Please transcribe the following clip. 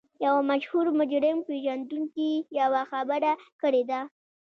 یوه مشهور مجرم پېژندونکي یوه خبره کړې ده